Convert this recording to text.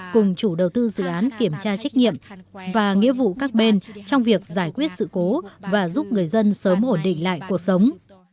cùng chủ đầu tư dự án kiểm tra trách nhiệm và nghĩa vụ các bên trong việc giải quyết sự cố và giúp người dân sớm ổn định lại cuộc sống